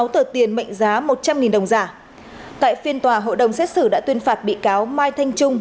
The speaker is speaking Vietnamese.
một mươi sáu tờ tiền mệnh giá một trăm linh đồng giả tại phiên tòa hội đồng xét xử đã tuyên phạt bị cáo mai thanh trung